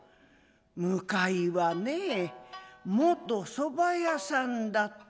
「向いはね元そばやさんだった」。